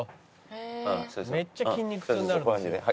「めっちゃ筋肉痛になるんですよ」